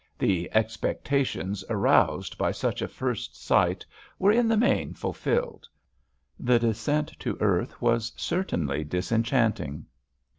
The expectations aroused by such a first sight were, in the main, fulfilled. The descent to earth was certainly disenchanting.